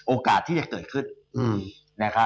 โอกาสที่จะเกิดขึ้น